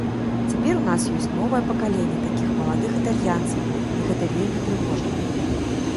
Цяпер у нас ёсць новае пакаленне такіх маладых італьянцаў, і гэта вельмі трывожна.